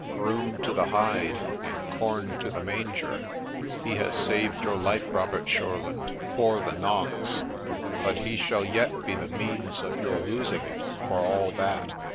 ' Groom to the hide, and corn to the manger ! He has saved your life, Robert Shurlaud, for the nonce ; but he shall yet be the means of your losing it for all that